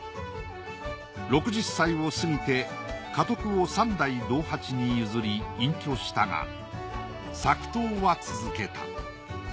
６０歳を過ぎて家督を三代道八に譲り隠居したが作陶は続けた。